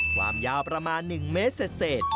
ความยาวประมาณ๑เมตรเศษ